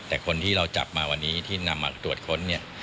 แต่คนที่เราจับมาวันนี้ที่นำมาตรวจค้นเนี่ย